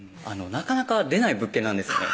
なかなか出ない物件なんですね